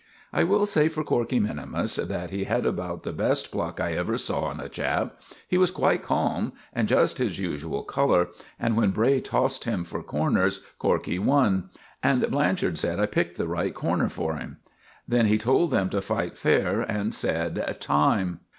I will say for Corkey minimus that he had about the best pluck I ever saw in a chap. He was quite calm, and just his usual color; and when Bray tossed him for corners Corkey won; and Blanchard said I picked the right corner for him. Then he told them to fight fair, and said "Time!"